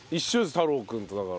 太郎くんとだから。